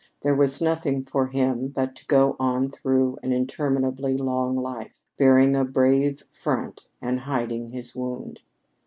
There was nothing for him but to go on through an interminably long life, bearing a brave front and hiding his wound.